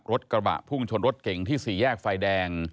รถกระบะพุ่งชนรถเก่งที่สี่แยกไฟแดง